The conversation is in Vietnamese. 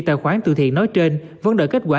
tài khoản từ thiện nói trên vấn đợi kết quả